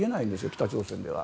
北朝鮮では。